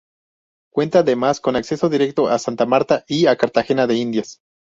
Cuenta además con acceso directo a Santa Marta y a Cartagena de Indias.